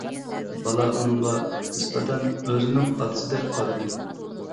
بالا ئۇنىڭغا نىسبەتەن ئۆزىنىڭ ئاتىسىدەك قارىدى.